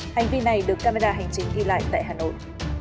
hành vi này được camera hành trình ghi lại tại hà nội